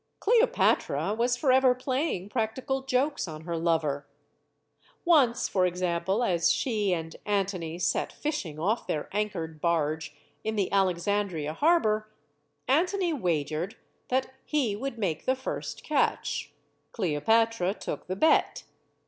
Celopatra was forever playing practical jokes on her lover. Once, for example, as she and Antony sat fishing off their anchored barge in the Alexandria harbor, Antony wagered that he would make the first catch. Cleopatra took the bet.